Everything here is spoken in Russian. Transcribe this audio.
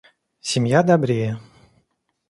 Семья добрее.